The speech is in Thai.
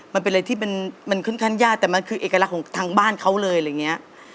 มันเป็นอะไรที่มันค่อนข้างยากแต่มันคือเอกลักษณ์ของทางบ้านเขาเลยอะไรอย่างนี้